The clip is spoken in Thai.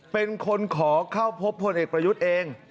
เป็นคนขอเข้าพบพลเอกประยุทธ์เอง